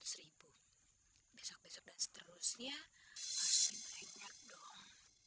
gue hari ini tiga ratus besok besok dan seterusnya harus nyert dong